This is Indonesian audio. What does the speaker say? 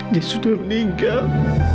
dia sudah meninggal